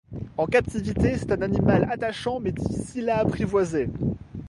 En captivité c'est un animal attachant mais difficile à apprivoiser.